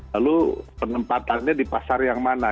lalu penempatannya di pasar yang mana